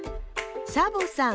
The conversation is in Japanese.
サボさん